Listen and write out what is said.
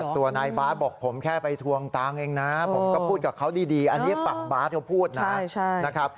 ตัวนายบาทบอกผมแค่ไปทวงตังค์เองนะผมก็พูดกับเขาดีอันนี้ฝั่งบาทเขาพูดนะครับ